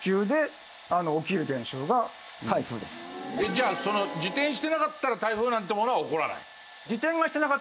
じゃあ自転してなかったら台風なんてものは起こらない？